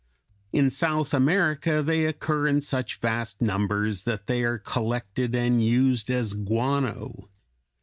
In South America they occur in such vast numbers that they are collected and used as guano.